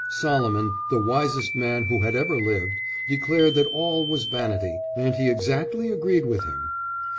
Solomon, the wisest man who had ever lived, declared that all was vanity, and he exactly agreed with him.